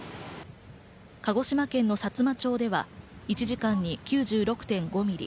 鹿児島県さつま町では１時間に９６．５ミリ。